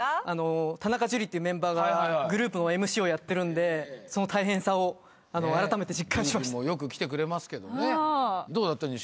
あの田中樹っていうメンバーがグループのＭＣをやってるんでその大変さをあの改めて実感しました樹くんもよく来てくれますけどねどうだった？